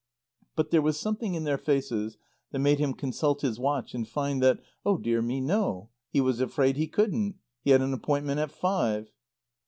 But there was something in their faces that made him consult his watch and find that "Oh dear me, no! he was afraid he couldn't." He had an appointment at five.